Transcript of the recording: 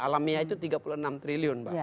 alamiah itu tiga puluh enam triliun mbak